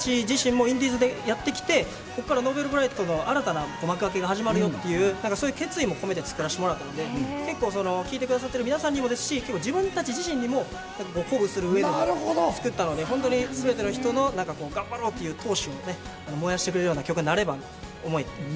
なので僕たち自身もインディーズやってきて、ここからＮｏｖｅｌｂｒｉｇｈｔの新たな幕開けが始まるよという、そういう決意も込めて作らせてもらったので、聞いてくださってる皆さんにもですし、自分たち自身も鼓舞する上で作ったので、本当にすべての人の頑張ろうという闘志を燃やしてくれるような曲になればという思い。